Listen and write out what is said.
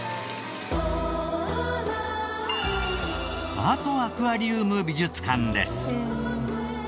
アートアクアリウム美術館です。